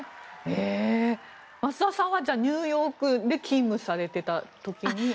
松澤さんはニューヨークで勤務されてた時に？